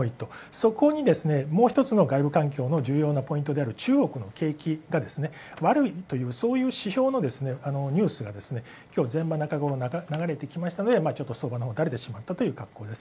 そこにですね、もう１つの外部環境の重要なポイントである中国の景気が悪いという、そういうニュースが今日流れてきましたのでちょっと相場のほうだれてしまったという感じです。